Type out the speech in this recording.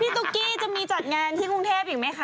ตุ๊กกี้จะมีจัดงานที่กรุงเทพอีกไหมคะ